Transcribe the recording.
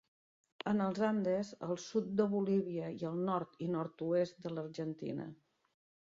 En els Andes, al sud de Bolívia i al nord i nord-oest de l'Argentina.